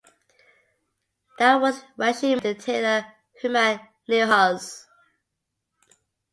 That was when she married the tailor Hermann Niehaus.